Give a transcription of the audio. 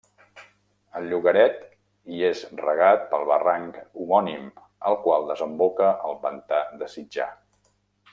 El llogaret hi és regat pel barranc homònim, el qual desemboca al pantà de Sitjar.